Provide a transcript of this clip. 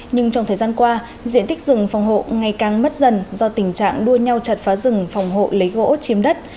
nhưng trong thời gian qua diện tích rừng phòng hộ ngày càng mất dần do tình trạng đua nhau chặt phá rừng phòng hộ lấy gỗ chiếm đất